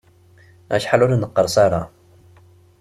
Acḥal ur neqqerṣ ara.